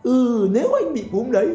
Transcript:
ừ nếu anh bị cúm đấy